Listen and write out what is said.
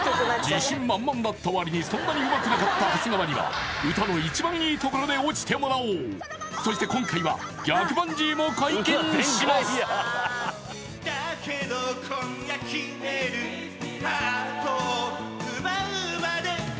自信満々だった割にそんなにうまくなかった長谷川には歌の一番いいところで落ちてもらおうそして今回は逆バンジーも解禁します